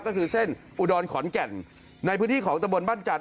ที่แส่นอุดรขอนแก่นในพื้นที่ของตบนบ้านจันทร์